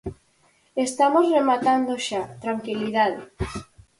Estamos rematando xa, tranquilidade.